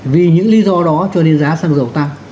vì những lý do đó cho nên giá xăng dầu tăng